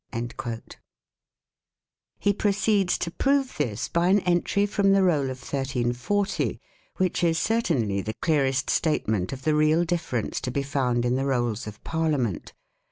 1 He proceeds to prove this by an entry from the roll of 1340 which is certainly the clearest statement of the real difference to be found in the Rolls of Parliament.